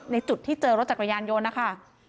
จุดที่เจอรถจักรยานยนต์นะคะ